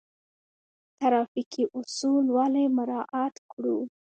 ټرافیکي اصول ولې مراعات کړو؟